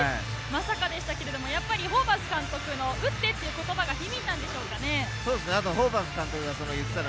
まさかでしたけれども、ホーバス監督が打ってという言葉が響いたんでしょうかね。